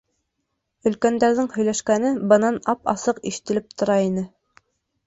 Өлкәндәрҙең һөйләшкәне бынан ап-асыҡ ишетелеп тора ине.